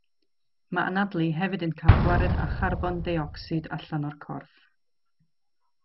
Mae anadlu hefyd yn cael gwared â charbon deuocsid allan o'r corff.